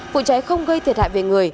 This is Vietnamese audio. vụ cháy không gây thiệt hại về người